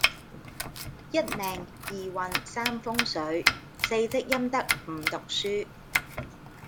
一命二運三風水四積陰德五讀書